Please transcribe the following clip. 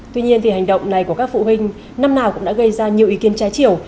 tuy nhiên hành động này của các phụ huynh năm nào cũng đã gây ra nhiều ý kiến trái chiều